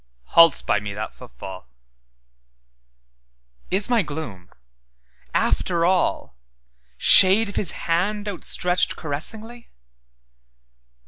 'Halts by me that footfall:Is my gloom, after all, Shade of His hand, outstretched caressingly?